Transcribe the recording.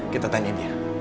kita tanyain dia